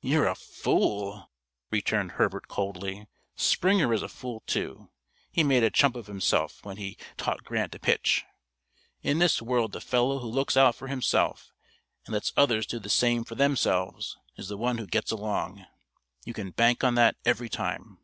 "You're a fool," returned Herbert coldly. "Springer is a fool, too. He made a chump of himself when he taught Grant to pitch. In this world the fellow who looks out for himself and lets others do the same for themselves is the one who gets along. You can bank on that every time.